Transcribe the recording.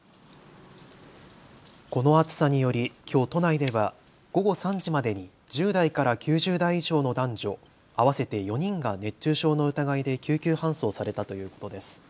この暑さによりきょう都内では午後３時までに１０代から９０代以上の男女合わせて４人が熱中症の疑いで救急搬送されたということです。